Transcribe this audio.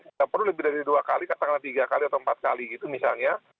kita perlu lebih dari dua x tiga x atau empat x gitu misalnya